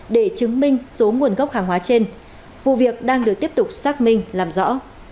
để chứng minh số nguồn gốc hàng hóa trên vụ việc đang được tiếp tục xác minh làm rõ